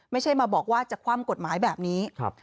ไม่ใช่มาบอกว่าจะคว่ำกฎหมายแบบนี้